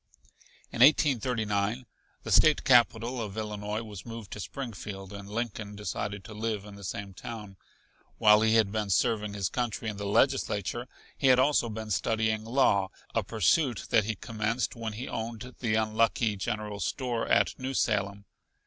In 1839 the State Capitol of Illinois was moved to Springfield and Lincoln decided to live in the same town. While he had been serving his country in the Legislature he had also been studying law a pursuit that he commenced when he owned the unlucky general grocery store at New Salem.